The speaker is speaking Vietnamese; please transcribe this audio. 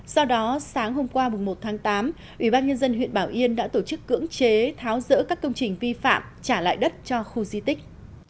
do đó sáng hôm qua một tháng tám ủy ban nhân dân huyện bảo yên đã tổ chức cưỡng chế tháo rỡ các công trình vi phạm trả lại đất cho khu di tích